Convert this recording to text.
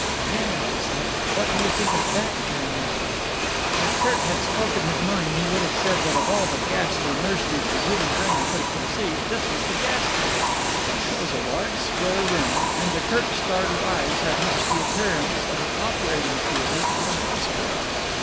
"There!" she said. "What do you think of that for a nursery?" If Kirk had spoken his mind he would have said that of all the ghastly nurseries the human brain could have conceived this was the ghastliest. It was a large, square room, and to Kirk's startled eyes had much the appearance of an operating theatre at a hospital.